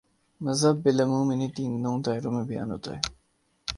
مذہب بالعموم انہی تینوں دائروں میں بیان ہوتا ہے۔